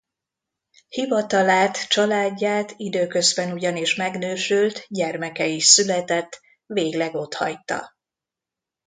Hivatalát, családját, időközben ugyanis megnősült, gyermeke is született, végleg otthagyta.